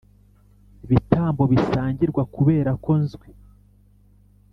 bitambo bisangirwa kubera ko nzwi